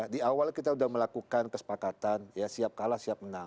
di awal kita sudah melakukan kesepakatan ya siap kalah siap menang